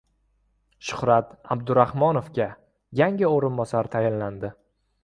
Shuhrat Abdurahmonovga yangi o‘rinbosar tayinlandi